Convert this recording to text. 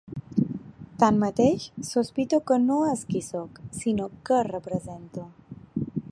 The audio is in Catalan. Tanmateix, sospito que no és qui sóc, sinó què represento.